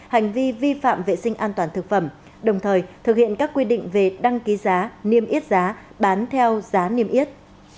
hành vi vi phạm vệ sinh an toàn thực phẩm đồng thời thực hiện các quy định về đăng ký giá niêm yết giá bán theo giá niêm yết